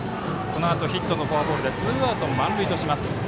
このあとヒットとフォアボールでツーアウト、満塁とします。